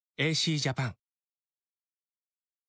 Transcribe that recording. ジャーン！